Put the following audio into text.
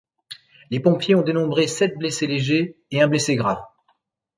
Les pompiers ont dénombré sept blessés légers et un blessé grave.